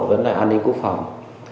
vẫn là an ninh quốc phòng